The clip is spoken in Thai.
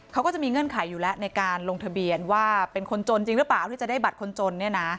เขาก็จะมีเงื่อนไขอยู่แล้วในการลงทะเบียนว่าเป็นคนจนจริงหรือเปล่าที่จะได้บัตรคนจนเนี่ยนะ